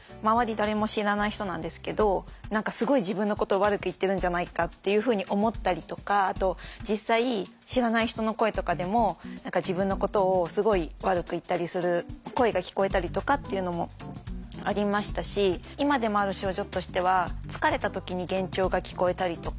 誰も知らない人なんですけど何かすごい自分のことを悪く言ってるんじゃないかっていうふうに思ったりとかあと実際知らない人の声とかでも何か自分のことをすごい悪く言ったりする声が聞こえたりとかっていうのもありましたし今でもある症状としては疲れた時に幻聴が聞こえたりとか。